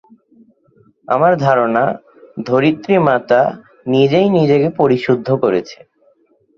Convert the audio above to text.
আমার ধারণা, ধরিত্রিমাতা নিজেই নিজেকে পরিশুদ্ধ করছে।